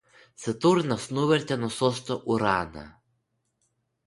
Saturnas nuvertė nuo sosto Uraną